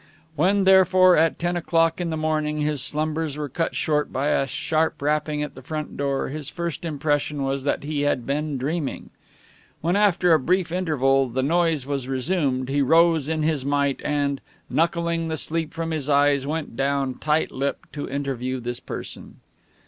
When, therefore, at ten o'clock in the morning his slumbers were cut short by a sharp rapping at the front door, his first impression was that he had been dreaming. When, after a brief interval, the noise was resumed, he rose in his might and, knuckling the sleep from his eyes, went down, tight lipped, to interview this person.